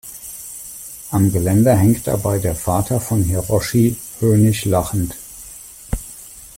Am Geländer hängt dabei der Vater von Hiroshi, höhnisch lachend.